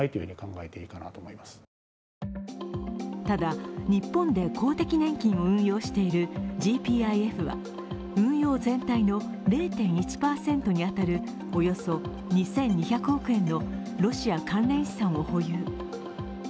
ただ、日本で公的年金を運用しているＧＰＩＦは運用全体の０．１％に当たるおよそ２２００億円のロシア関連資産を保有。